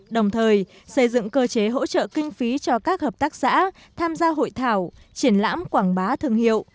đồng thời xây dựng cơ chế hỗ trợ kinh phí cho các hợp tác xã tham gia hội thảo triển lãm quảng bá thương hiệu